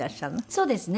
そうですね。